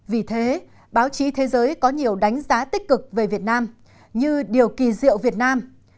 vì thế báo chí thế giới có nhiều đánh giá tích cực về việt nam như điều kỳ diệu việt nam